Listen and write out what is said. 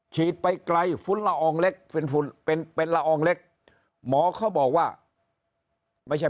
ฉีดไปไกลฟุ้นละอองเล็กเป็นละอองเล็กหมอเขาบอกว่าไม่ใช่